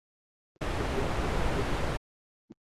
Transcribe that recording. এবং বোমা বিস্ফোরণের হুমকি দিয়েছ।